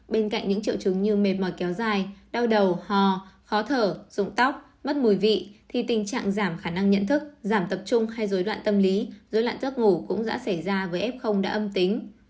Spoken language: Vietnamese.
bên cạnh những triệu chứng như mệt mỏi kéo dài đau đầu hò khó thở rụng tóc mất mùi vị thì tình trạng giảm khả năng nhận thức giảm tập trung hay dối loạn tâm lý dối loạn giấc ngủ cũng đã xảy ra với f đã âm tính